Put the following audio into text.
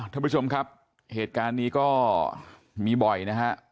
ท่านผู้ชมครับเหตุการณ์นี้ก็มีบ่อยนะฮะ